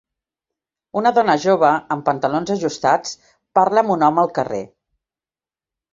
Una dona jove amb pantalons ajustats parla amb un home al carrer.